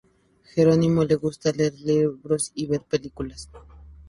Jerónimo le gusta leer libros y ver películas.